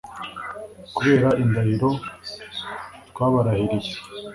kubera indahiro twabarahiriye